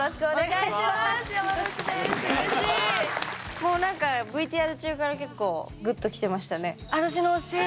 もう何かＶＴＲ中から結構グッときてましたね。